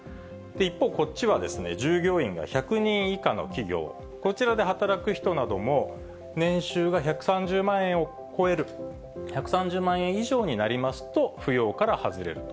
一方、こっちは、従業員が１００人以下の企業、こちらで働く人なども、年収が１３０万円を超える、１３０万円以上になりますと、扶養から外れると。